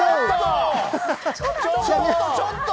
ちょっと！